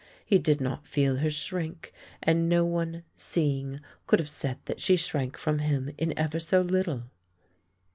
He did not feel her shrink, and no one, seeing, could have said that she shrank from him in ever so little.